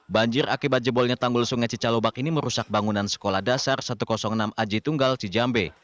banjir akibat jebolnya tanggul sungai cicalobak ini merusak bangunan sekolah dasar satu ratus enam aji tunggal cijambe